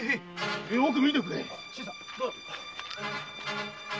よく見てくれ。